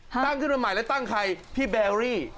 ขึ้นมาใหม่แล้วตั้งใครพี่แบรี่